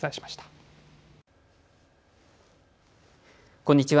こんにちは。